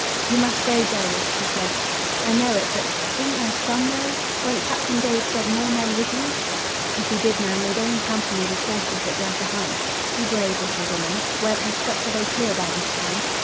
"You must go, Gerald," she sobbed "I know it, but isn't there some way? Won't Captain Dade send more men with you?" "If he did, Nan, they'd only hamper me with horses that drag behind. Be brave, little woman. Webb has swept the way clear by this time!